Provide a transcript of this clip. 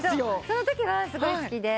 そのときはすごい好きで。